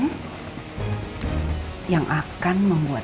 sekarang kita bisa mulai berpindah